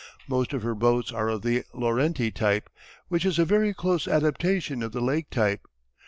Most of her boats are of the Laurenti type which is a very close adaptation of the Lake type.